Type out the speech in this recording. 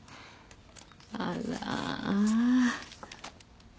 あら。